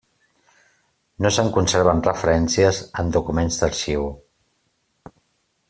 No se'n conserven referències en documents d'arxiu.